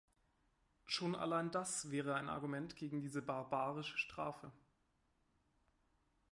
Schon allein das wäre ein Argument gegen diese barbarische Strafe.